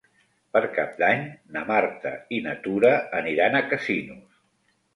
Per Cap d'Any na Marta i na Tura aniran a Casinos.